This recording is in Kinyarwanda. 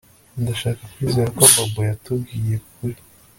Ndashaka kwizera ko Bobo yatubwiye ukuri